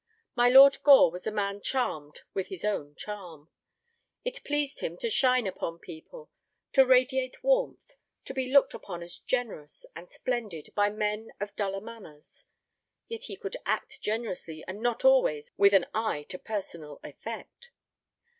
My Lord Gore was a man charmed with his own charm. It pleased him to shine upon people, to radiate warmth, to be looked upon as generous and splendid by men of duller manners. Yet he could act generously, and not always with an eye to personal effect.